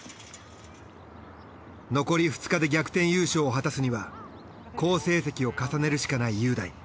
残り２日で逆転優勝を果たすには好成績を重ねるしかない雄大。